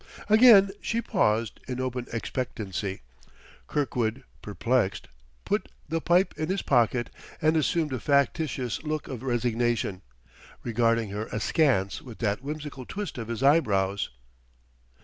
Again she paused in open expectancy. Kirkwood, perplexed, put the pipe in his pocket, and assumed a factitious look of resignation, regarding her askance with that whimsical twist of his eyebrows.